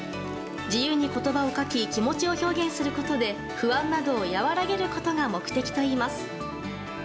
自由に言葉を書き気持ちを表現することで不安などを和らげることが目的といいます。